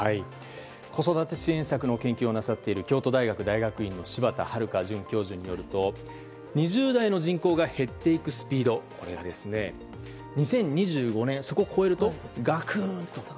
子育て支援策の研究をなさっている京都大学大学院の柴田悠准教授によると２０代の人口が減っていくスピードが２０２５年を超えるとガクンと。